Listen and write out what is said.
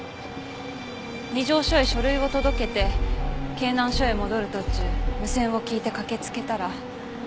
二条署へ書類を届けて京南署へ戻る途中無線を聞いて駆けつけたら。